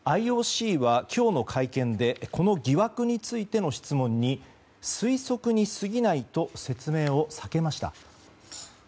ＩＯＣは今日の会見でこの疑惑についての質問に推測に過ぎないと説明を避けました。